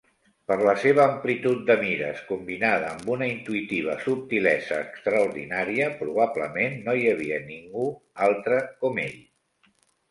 Per la seva amplitud de mires, combinada amb una intuïtiva subtilesa extraordinària, probablement no hi havia ningú altre com ell.